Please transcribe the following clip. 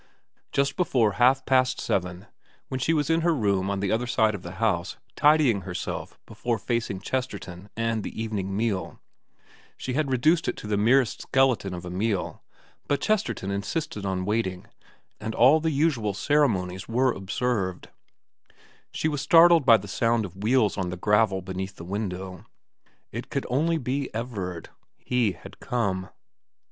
Just before half past seven, while she was in her room on the other side of the house tidying herself before facing Chesterton and the evening meal she had reduced it to the merest skeleton of a meal, but Chesterton insisted on waiting, and all the usual cere monies were observed she was startled by the sound of wheels on the gravel beneath the window. It could only be Everard. He had come.